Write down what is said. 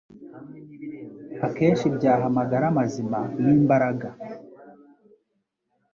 akenshi byaha amagara mazima n’imbaraga